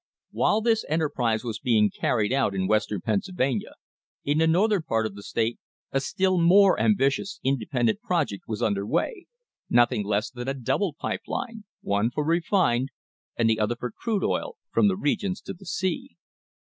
While this enterprise was being carried out in Western Pennsylvania, in the northern part of the state a still more ambitious, independent project was under way, nothing less than a double pipe line, one for refined and the other for crude oil, from the Oil Regions to the sea.